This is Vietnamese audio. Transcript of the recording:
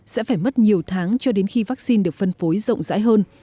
sẽ phải mất nhiều tháng cho đến khi vaccine được phân phối rộng rãi hơn